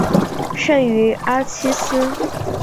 圣于尔西斯。